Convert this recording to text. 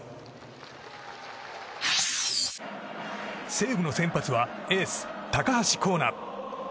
西武の先発はエース、高橋光成。